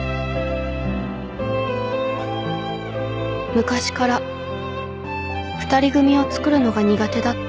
昔から２人組をつくるのが苦手だった